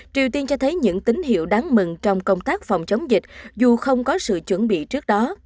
triều tiên cho thấy những tín hiệu đáng mừng trong công tác phòng chống dịch dù không có sự chuẩn bị trước đó